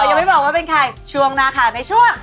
แต่ยังไม่บอกว่าเป็นใครช่วงหน้าค่ะในช่วง